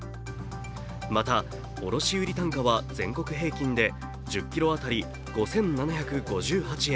また、卸売単価は全国平均で１０ｋｇ当たり５７５８円。